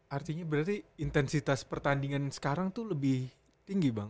artinya berarti intensitas pertandingan sekarang itu lebih tinggi bang